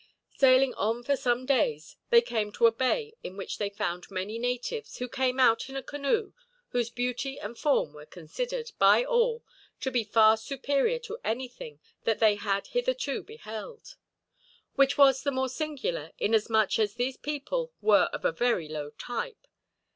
Sailing on for some days, they came to a bay in which they found many natives, who came out in a canoe whose beauty and form were considered, by all, to be far superior to anything that they had hitherto beheld; which was the more singular, inasmuch as these people were of a very low type.